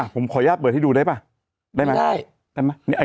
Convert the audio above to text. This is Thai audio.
ผมขออนุญาตเปิดให้ดูได้ป่ะได้ไหม